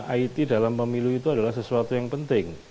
it dalam pemilu itu adalah sesuatu yang penting